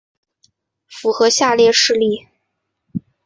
符合下列事项